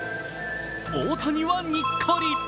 大谷はにっこり。